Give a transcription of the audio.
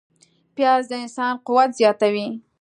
پیاز د انسان قوت زیاتوي